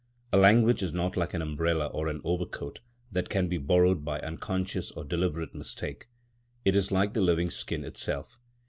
A language is not like an umbrella or an overcoat, that can be borrowed by unconscious or deliberate mistake; it is like the living skin itself.